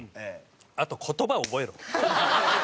あと言葉覚えろ。